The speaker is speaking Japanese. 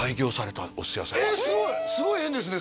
すごい縁ですね